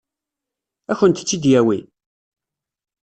Ad kent-tt-id-yawi?